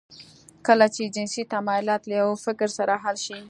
کله چې جنسي تمایلات له یوه فکر سره حل شي